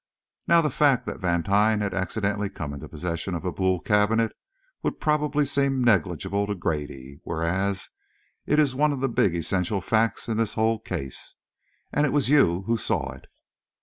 Now the fact that Vantine had accidentally come into possession of a Boule cabinet would probably seem negligible to Grady, whereas it is the one big essential fact in this whole case. And it was you who saw it."